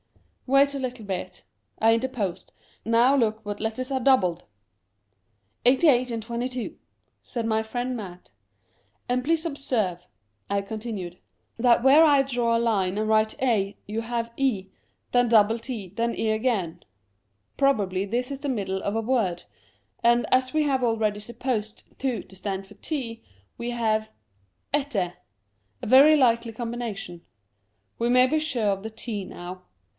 "Wait a little bit," I interposed. "Now look what letters are doubled." "88 and 22," said my friend Mat. " And please observe," I continued, " that where 34 Curiosities of Cypher I draw a line and write A you have e, then double t, then e again. Probably this is the middle of a word, and as we have already supposed 2 to stand for t, we have — ette —, a very likely combination. We may be sure of the t now.